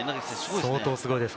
相当すごいです。